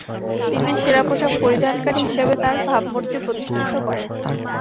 তিনি সেরা পোশাক পরিধানকারী হিসেবে তার ভাবমূর্তি প্রতিষ্ঠিত করেন।